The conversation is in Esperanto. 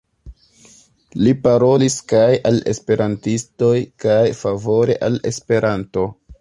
Li parolis kaj al Esperantistoj kaj favore al Esperanto.